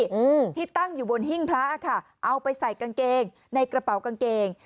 อืมที่ตั้งอยู่บนหิ้งพระอ่ะค่ะเอาไปใส่กางเกงในกระเป๋ากางเกง